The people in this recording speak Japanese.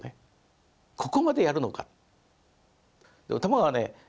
ここまでやるのか。